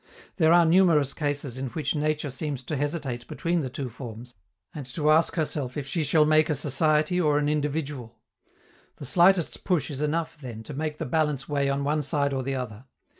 There are numerous cases in which nature seems to hesitate between the two forms, and to ask herself if she shall make a society or an individual. The slightest push is enough, then, to make the balance weigh on one side or the other.